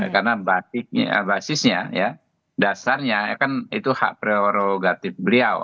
karena basisnya ya dasarnya kan itu hak prerogatif beliau